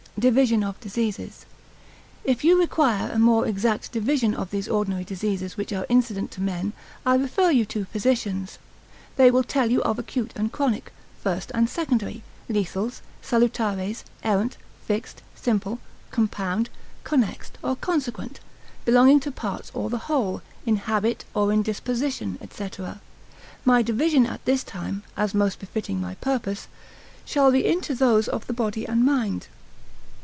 Division of Diseases.] If you require a more exact division of these ordinary diseases which are incident to men, I refer you to physicians; they will tell you of acute and chronic, first and secondary, lethals, salutares, errant, fixed, simple, compound, connexed, or consequent, belonging to parts or the whole, in habit, or in disposition, &c. My division at this time (as most befitting my purpose) shall be into those of the body and mind.